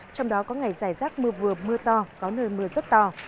trong đó có ngày giải rác mưa vừa mưa to có nơi mưa rất to